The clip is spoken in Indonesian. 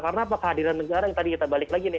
karena apa kehadiran negara yang tadi kita balik lagi nih